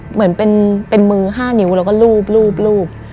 เหมือนเป็นมือ๕นิ้วแล้วก็รูป